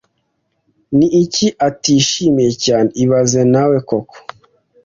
Ni iki atishimiye cyane ibaze nawe koko